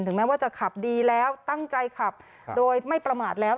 แม้ว่าจะขับดีแล้วตั้งใจขับโดยไม่ประมาทแล้ว